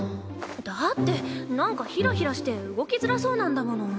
だってなんかヒラヒラして動きづらそうなんだもの。